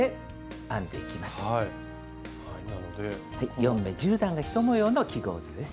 ４目１０段が１模様の記号図です。